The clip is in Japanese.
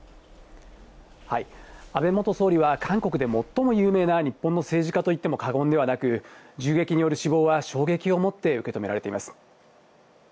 安倍元総理は韓国で最も有名な日本の政治家といっても過言ではなく、銃撃による死亡は衝撃を持って受け止められています。